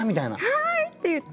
「はい！」って言って。